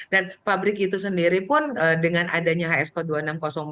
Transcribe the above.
dan pabrik itu sendiri pun dengan adanya hs code dua ribu enam ratus empat